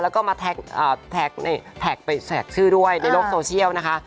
แล้วก็มาแท็กไปแสกชื่อด้วยในโลกโซเชียลนะคะ